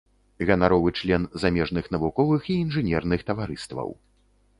Ганаровы член замежных навуковых і інжынерных таварыстваў.